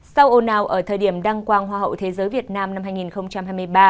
sau ồn ào ở thời điểm đăng quang hoa hậu thế giới việt nam năm hai nghìn hai mươi ba